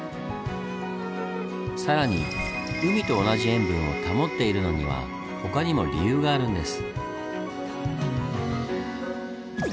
更に海と同じ塩分を保っているのには他にも理由があるんです。